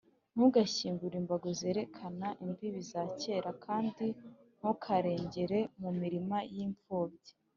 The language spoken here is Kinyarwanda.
ntugashingure imbago zerekana imbibi za kera, kandi ntukarengēre mu mirima y’impfubyi,